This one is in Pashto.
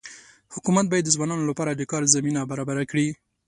حکومت باید د ځوانانو لپاره د کار زمینه برابره کړي.